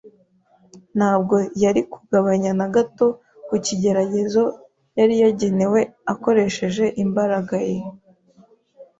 ntabwo yari kugabanya na gato ku kigeragezo yari yagenewe akoresheje imbaraga ye